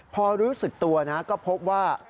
พอรู้สึกตัวนะก็พบว่า